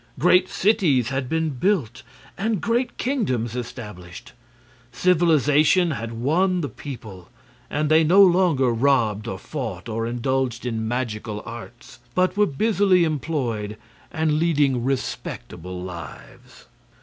Great cities had been built and great kingdoms established. Civilization had won the people, and they no longer robbed or fought or indulged in magical arts, but were busily employed and leading respectable lives.